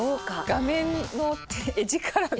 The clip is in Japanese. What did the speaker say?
画面の画力が。